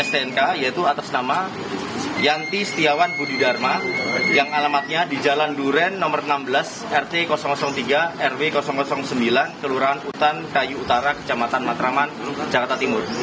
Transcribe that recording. stnk yaitu atas nama yanti setiawan budi dharma yang alamatnya di jalan duren nomor enam belas rt tiga rw sembilan kelurahan utan kayu utara kecamatan matraman jakarta timur